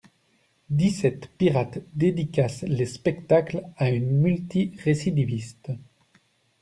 Dix-sept pirates dédicacent les spectacles à une multi-récidiviste!